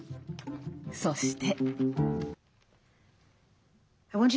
そして。